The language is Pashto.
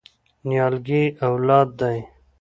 نیالګی اولاد دی؟